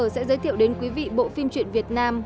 sẽ giới thiệu đến quý vị bộ phim truyện việt nam